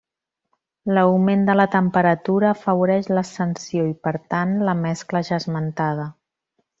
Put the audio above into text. L’augment de la temperatura afavoreix l’ascensió i, per tant, la mescla ja esmentada.